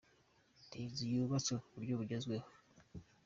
Ni inzu zubatswe ku buryo bugezweho.